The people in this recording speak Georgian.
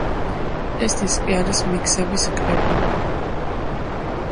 ეს დისკი არის მიქსების კრებული.